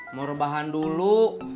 mau rebahan dulu